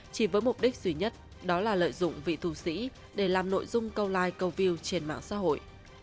chỉ với mục đích duy nhất đó là lợi dụng vị thù sĩ để làm nội dung câu like câu view trên mạng xã hội